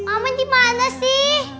ah mama dimana sih